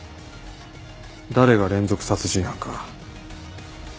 誰が連続殺人犯か。